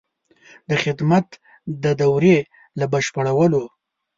د خدمت د دورې له بشپړولو.